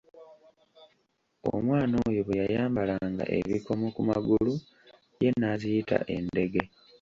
Omwana oyo bwe yayambalanga ebikomo ku magulu ye n’aziyita endege.